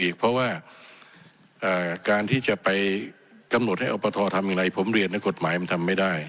การที่จะไปกำหนดให้ออปทรทำอย่างไรผมเรียนแล้วกฎหมายมันทำไม่ได้